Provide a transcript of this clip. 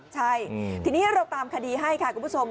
ใช่ทีนี้เราตามคดีให้ค่ะคุณผู้ชม